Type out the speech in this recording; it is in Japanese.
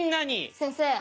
先生。